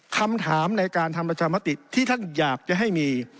คำถามในการทำประชามติที่ท่านอยากจะให้มี